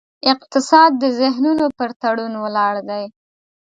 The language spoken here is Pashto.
اقتصاد د ذهنونو پر تړون ولاړ دی.